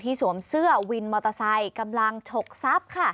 สวมเสื้อวินมอเตอร์ไซค์กำลังฉกทรัพย์ค่ะ